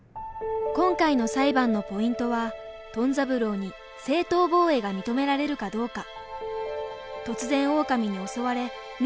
今回の裁判のポイントはトン三郎に正当防衛が認められるかどうか。